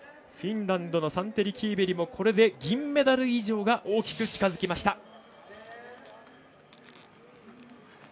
フィンランドのサンテリ・キーベリもこれで銀メダル以上が大きく近づきました。